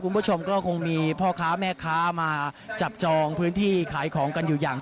คุณผู้ชมก็คงมีพ่อค้าแม่ค้ามาจับจองพื้นที่ขายของกันอยู่อย่าง